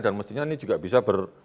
dan mestinya ini juga bisa